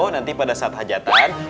nanti pada saat hajatan